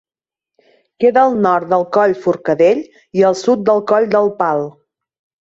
Queda al nord del Coll Forcadell i al sud del Coll del Pal.